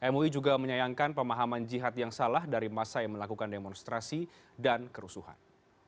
mui juga menyayangkan pemahaman jihad yang salah dari masa yang melakukan demonstrasi dan kerusuhan